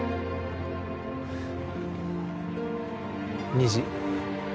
虹